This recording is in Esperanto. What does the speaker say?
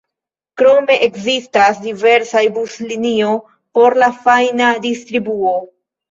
Krome ekzistas diversaj buslinio por la fajna distribuo.